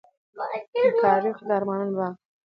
تاریخ د ارمانونو باغ دی.